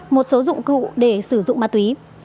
một số dụng cụ để sử dụng ma túy